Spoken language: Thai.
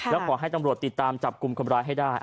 แล้วขอให้ตำรวจติดตามจับกลุ่มคนร้ายให้ได้